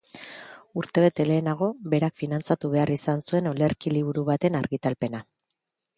Urtebete lehenago, berak finantzatu behar izan zuen olerki-liburu baten argitalpena.